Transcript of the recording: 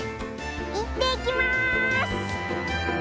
いってきます！